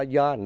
phải có gắn